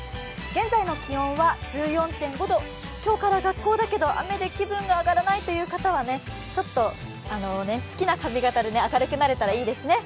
現在の気温は１４．５度、今日から学校だけど雨で気分が上がらないという方はちょっと好きな髪形で明るくなれたらいいですね。